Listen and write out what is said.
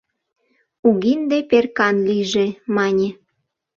«Угинде перкан лийже!» — мане.